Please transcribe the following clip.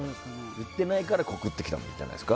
言ってないから告ってきたんじゃないですか。